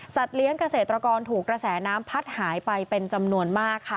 เลี้ยงเกษตรกรถูกกระแสน้ำพัดหายไปเป็นจำนวนมากค่ะ